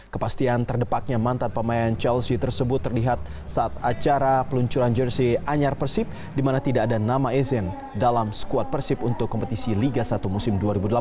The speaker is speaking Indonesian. kepastian terdepaknya mantan pemain chelsea tersebut terlihat saat acara peluncuran jersey anyar persib di mana tidak ada nama ezen dalam skuad persib untuk kompetisi liga satu musim dua ribu delapan belas